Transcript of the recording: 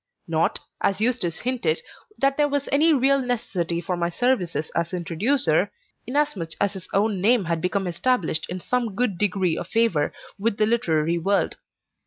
Not, as Eustace hinted, that there was any real necessity for my services as introducer, inasmuch as his own name had become established in some good degree of favor with the literary world.